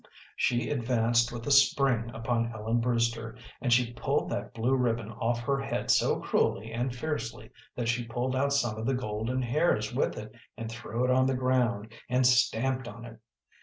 She advanced with a spring upon Ellen Brewster, and she pulled that blue ribbon off her head so cruelly and fiercely that she pulled out some of the golden hairs with it and threw it on the ground, and stamped on it.